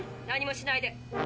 「何もしないで」。